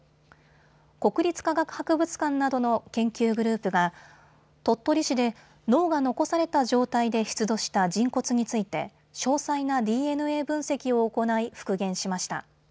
国立科学博物館などの研究グループが鳥取市で脳が残された状態で出土した人骨について詳細なＤＮＡ分析を行い復元しました。